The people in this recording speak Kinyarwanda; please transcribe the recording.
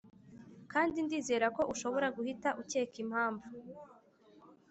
kandi ndizera ko ushobora guhita ukeka impamvu.